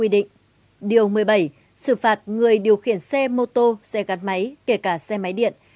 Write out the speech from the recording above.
điều một mươi bảy xử phạt người điều khiển xe mô tô xe gạt máy kể cả xe máy điện